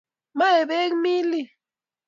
Maee beek Millie